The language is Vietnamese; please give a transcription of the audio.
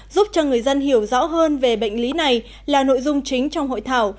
giúp cho người dân hiểu rõ hơn về bệnh lý này là nội dung chính trong hội thảo